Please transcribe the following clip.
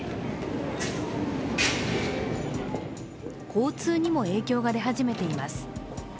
交通にも影響が出始めています。